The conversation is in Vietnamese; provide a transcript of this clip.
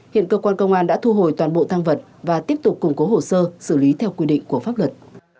hiện cơ quan công an đã thu hồi toàn bộ thăng vật và tiếp tục củng cố hồ sơ xử lý theo quy định của pháp luật